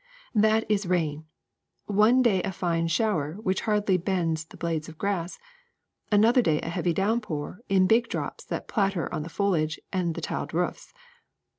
*' That is rain — one day a fine shower which hardly bends the blades of grass, another day a heavy do^vn pour in big drops that patter on the foliage and the tiled roofs.